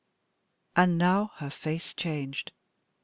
And now her face changed.